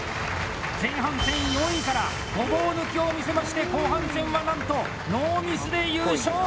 前半戦４位からごぼう抜きを見せまして後半戦はなんとノーミスで優勝！